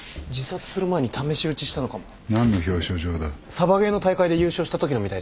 サバゲーの大会で優勝したときのみたいです。